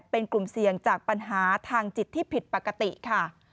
เป็นกลุ่มเสี่ยงจากปัญหาทางจิตที่ผิดปกติค่ะ